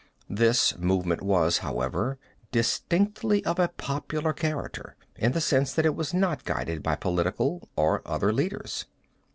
This movement was, however, distinctly of a popular character, in the sense that it was not guided by political or other leaders.